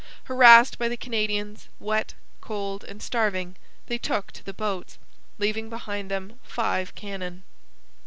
Harassed by the Canadians, wet, cold, and starving, they took to the boats, leaving behind them five cannon.